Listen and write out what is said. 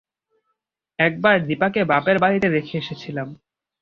একবার দিপাকে বাপের বাড়িতে রেখে এসেছিলাম।